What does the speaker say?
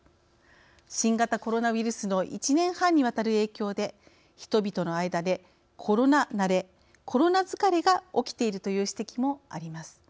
新型コロナウイルスの１年半にわたる影響で人々の間でコロナ慣れコロナ疲れが起きているという指摘もあります。